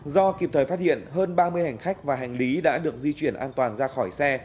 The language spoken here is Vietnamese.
do kịp thời phát hiện hơn ba mươi hành khách và hành lý đã được di chuyển an toàn ra khỏi xe